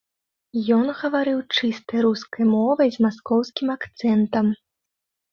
Ён гаварыў чыстай рускай мовай, з маскоўскім акцэнтам.